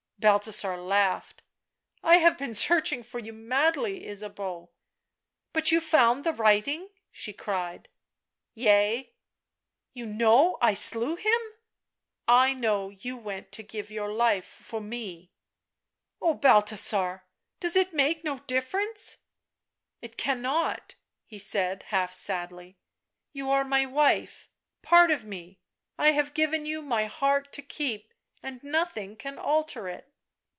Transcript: Balthasar laughed. " I have been searching for you madly, Ysabeau." " But you found the writing V 9 she cried. " Yea " "You know — I slew him V 9 " I know you went to give your life for me." " Oh, Balthasar !— does it make no difference ?"" It cannot," he said, half sadly. " You are my wife — part of me; I have given you my heart to keep, and nothing can alter it."